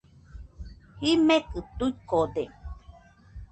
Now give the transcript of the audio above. Jimekɨ tuikode.